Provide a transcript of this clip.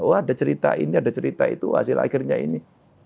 oh ada cerita ini ada cerita itu hasil akhirnya ini